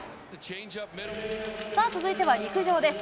さあ、続いては陸上です。